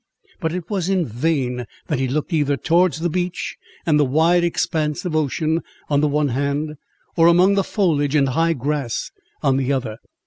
But it was in vain that he looked either towards the beach and the wide expanse of ocean, on the one hand, or among the foliage and high grass on the other!